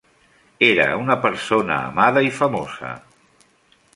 Era una persona amada i famosa.